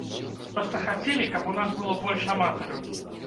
Проста хацелі, каб у нас было больш аматараў.